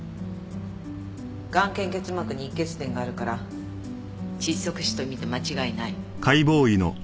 眼瞼結膜に溢血点があるから窒息死と見て間違いない。